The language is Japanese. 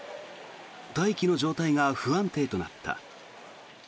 大気の状態が不安定となった。